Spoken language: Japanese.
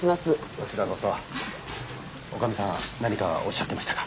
こちらこそ女将さん何かおっしゃってましたか？